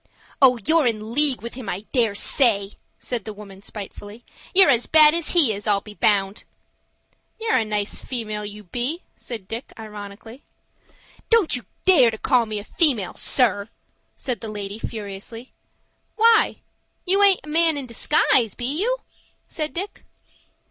"Oh, you're in league with him, I dare say," said the woman spitefully. "You're as bad as he is, I'll be bound." "You're a nice female, you be!" said Dick, ironically. "Don't you dare to call me a female, sir," said the lady, furiously. "Why, you aint a man in disguise, be you?" said Dick.